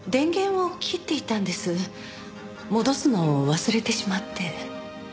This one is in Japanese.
戻すのを忘れてしまって。